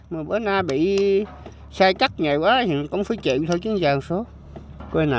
mà bữa nay bị sai cắt nhiều quá thì cũng phải chịu thôi chứ gian suốt